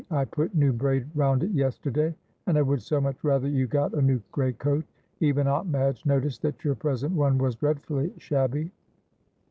I put new braid round it yesterday, and I would so much rather you got a new great coat. Even Aunt Madge noticed that your present one was dreadfully shabby."